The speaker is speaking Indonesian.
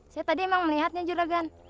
saya tadi emang melihatnya juragan